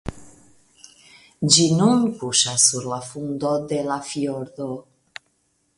Ĝi nun kuŝas sur la fundo de la fjordo.